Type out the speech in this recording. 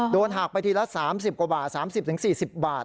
โดนหักไปทีละ๓๐กว่าบาท๓๐๔๐บาท